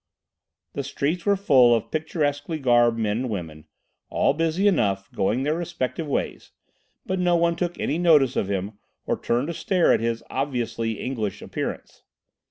The streets were full of picturesquely garbed men and women, all busy enough, going their respective ways; but no one took any notice of him or turned to stare at his obviously English appearance.